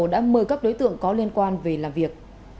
đã mời các đối tượng có liên quan về làm việc